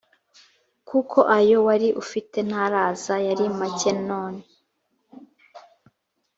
kuko ayo wari ufite ntaraza yari make none